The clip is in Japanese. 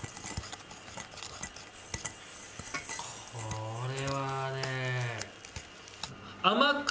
これはね。